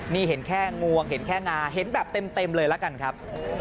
นี่เห็นแค่งวงเห็นแค่งาเห็นแบบเต็มเลยละกันครับ